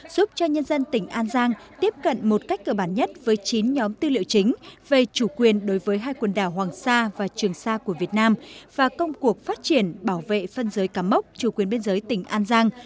giúp cho nhân dân tỉnh an giang tiếp cận một cách cơ bản nhất với chín nhóm tư liệu chính về chủ quyền đối với hai quần đảo hoàng sa và trường sa của việt nam và công cuộc phát triển bảo vệ phân giới cắm mốc chủ quyền biên giới tỉnh an giang